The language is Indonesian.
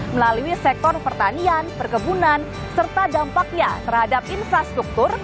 melalui sektor pertanian perkebunan serta dampaknya terhadap infrastruktur